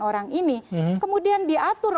orang ini kemudian diatur